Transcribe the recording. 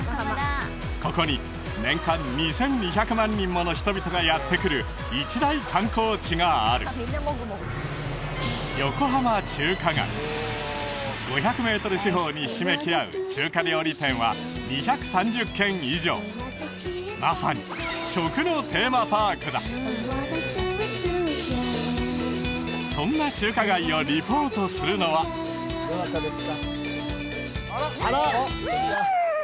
ここに年間２２００万人もの人々がやって来る一大観光地がある５００メートル四方にひしめき合う中華料理店は２３０軒以上まさにそんな中華街をリポートするのはうん！